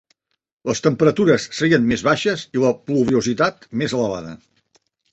Les temperatures serien més baixes i la pluviositat més elevada.